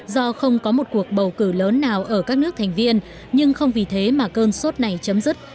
do không có một cuộc bầu cử lớn nào ở các nước thành viên nhưng không vì thế mà cơn sốt này chấm dứt